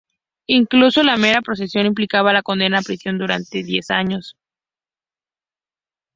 Incluso la mera posesión implicaba la condena a prisión durante diez años.